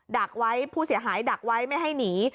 ดักไว้ผู้เสียหายดักไว้ไม่ให้หนี